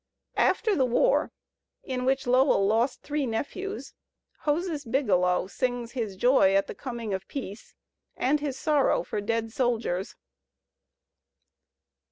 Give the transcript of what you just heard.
After the War, in which Lowell lost three nephews, Hosea Biglow sings his joy at the coming of peace and his sorrow for dead soldiers.